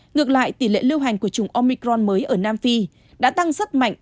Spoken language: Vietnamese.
ngược lại tỷ lệ lưu hành của chủng omicron mới ở nam phi đã tăng rất mạnh